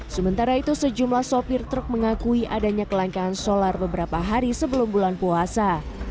sementara itu sejumlah sopir truk mengakui adanya kelangkaan solar beberapa hari sebelum bulan puasa